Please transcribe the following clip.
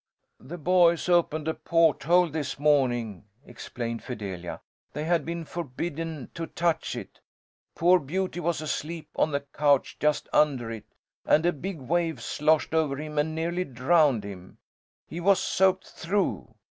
"The boys opened a port hole this morning," explained Fidelia. "They had been forbidden to touch it. Poor Beauty was asleep on the couch just under it, and a big wave sloshed over him and nearly drowned him. He was soaked through.